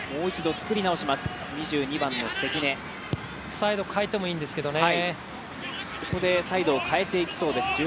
サイド、変えてもいいんですけどね